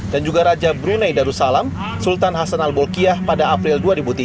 dan juga raja brunei darussalam sultan hasan al bolkiah pada april